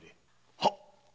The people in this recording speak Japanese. はっ！